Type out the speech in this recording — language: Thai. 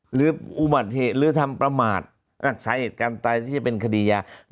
หรืออุบัติเหตุหรือทำประมาทสาเหตุการตายที่จะเป็นคดียา